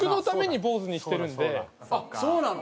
あっそうなの？